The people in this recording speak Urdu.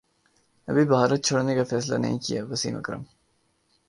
ابھی بھارت چھوڑنے کافیصلہ نہیں کیا وسیم اکرم